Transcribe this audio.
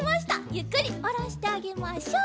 ゆっくりおろしてあげましょう。